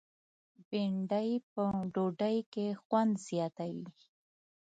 بېنډۍ په ډوډۍ کې خوند زیاتوي